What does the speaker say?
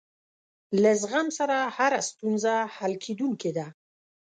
له زغم سره هره ستونزه حل کېدونکې ده.